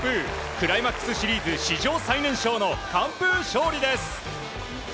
クライマックスシリーズ史上最年少の完封勝利です。